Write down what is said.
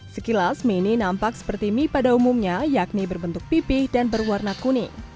sekilas mini nampak seperti mie pada umumnya yakni berbentuk pipih dan berwarna kuning